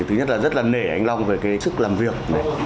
thứ nhất là rất là nề anh long về cái sức làm việc